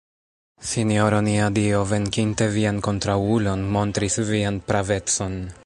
Sinjoro nia Dio, venkinte vian kontraŭulon, montris vian pravecon.